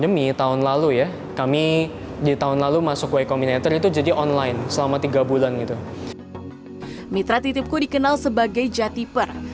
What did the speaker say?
mitra titipku dikenal sebagai jatiper